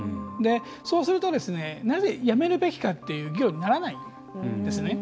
そうすると、やめるべきかという議論にならないんですね。